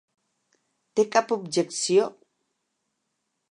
Té cap objecció?